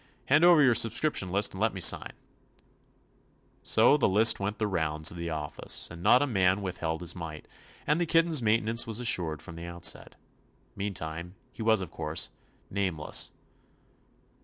Hand over your subscription list and let mc sign/' So the list went the rounds of the office, and not a man withheld his mite, and the kitten's maintenance was assured from the outset. Mean time, he was, of course, nameless.